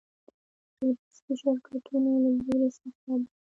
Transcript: د تورېستي شرکتونو له لوري سفر دی.